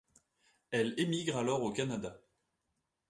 Elle émigre alors au Canada.